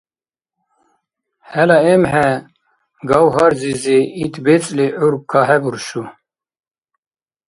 ХӀела эмхӀе, Гавгьар-зизи, ит бецӀли гӀур кахӀебуршу.